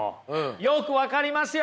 よく分かりますよ！